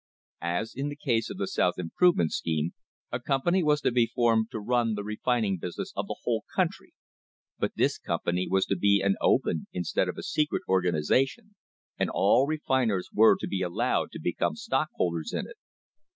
As in the case of the South Improvement scheme, a company was to be formed to run the refining business of the whole country, but this company was to be an open instead of a secret organisation, and all refiners were to be allowed to become stockholders in it.